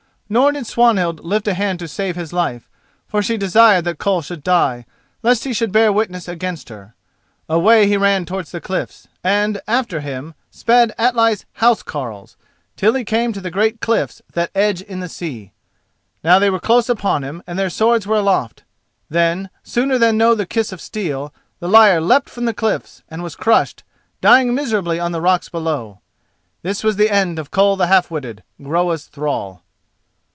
Nor did Swanhild lift a hand to save his life, for she desired that Koll should die, lest he should bear witness against her. Away he ran towards the cliffs, and after him sped Atli's house carles, till he came to the great cliffs that edge in the sea. Now they were close upon him and their swords were aloft. Then, sooner than know the kiss of steel, the liar leapt from the cliffs and was crushed, dying miserably on the rocks below. This was the end of Koll the Half witted, Groa's thrall.